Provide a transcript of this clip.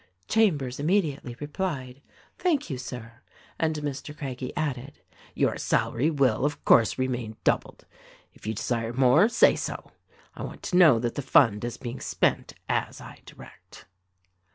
Chambers immediately replied, "Thank you Sir," and Mr. Craggie added, "Your salary will, of course, remain doubled. If you desire more, say so. I want to know that the fund is being spent as I direct."